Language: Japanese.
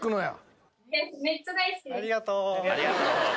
ありがとう。